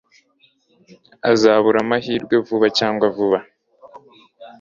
Azabura amahirwe vuba cyangwa vuba